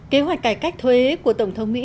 kế hoạch cải cách thuế của tổng thống mỹ